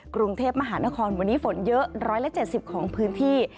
กรุงเทพมหานครวันนี้ฝนเยอะ๑๗๐ของพื้นที่